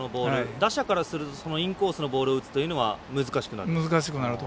打者からするとインコースのボールを打つというのは難しくなると。